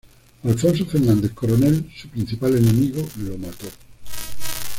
Alfonso Fernández Coronel, su principal enemigo, lo mató.